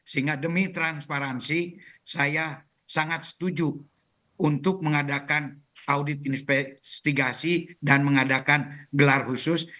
sehingga demi transparansi saya sangat setuju untuk mengadakan audit investigasi dan mengadakan gelar khusus